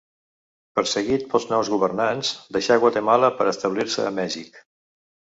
Perseguit pels nous governants, deixà Guatemala per establir-se a Mèxic.